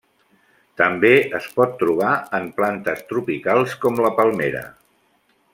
També es pot trobar en plantes tropicals com la palmera.